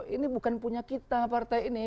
ini bukan punya kita partai ini